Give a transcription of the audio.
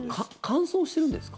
乾燥してるんですか？